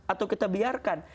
atau kita biarkan